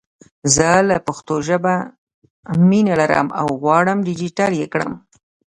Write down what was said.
زه له پښتو زه مینه لرم او غواړم ډېجیټل یې کړم!